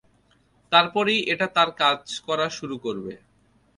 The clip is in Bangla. তারপরই এটা তার কাজ করা শুরু করবে।